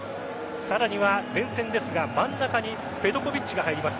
さらには前線ですが真ん中にペトコヴィッチが入ります。